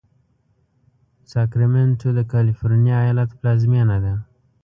ساکرمنټو د کالفرنیا ایالت پلازمېنه ده.